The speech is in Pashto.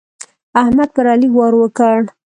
احمد پر علي وار وکړ.